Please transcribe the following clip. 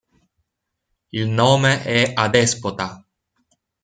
Il nome è adespota.